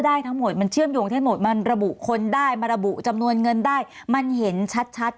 ไม่เป็นไรแหละจบเท่านี้นะ